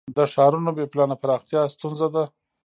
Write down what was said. د ښارونو بې پلانه پراختیا ستونزه ده.